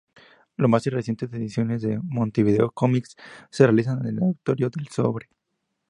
Las más recientes ediciones de Montevideo Comics se realizan en el Auditorio del Sodre.